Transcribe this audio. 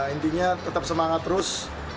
intinya tetap semangat terus